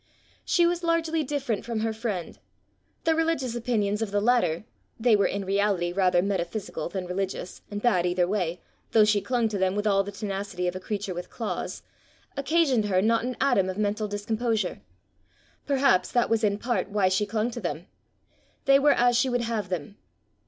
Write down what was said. She was largely different from her friend: the religious opinions of the latter they were in reality rather metaphysical than religious, and bad either way though she clung to them with all the tenacity of a creature with claws, occasioned her not an atom of mental discomposure: perhaps that was in part why she clung to them! they were as she would have them!